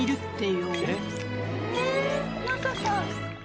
えっ⁉